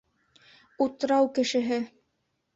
УТРАУ КЕШЕҺЕ